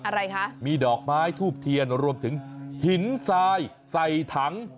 อะไรคะมีดอกไม้ทูบเทียนรวมถึงหินทรายใส่ถัง